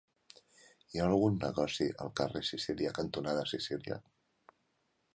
Hi ha algun negoci al carrer Sicília cantonada Sicília?